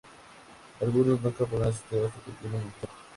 Algunos nunca podrán salir hasta que termine el tiempo.